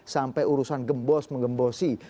sampai urusan gembos mengembosi